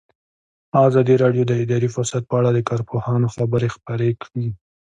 ازادي راډیو د اداري فساد په اړه د کارپوهانو خبرې خپرې کړي.